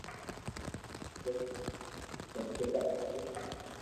راجي ھون بلڪي ڌادو خوݾ ھون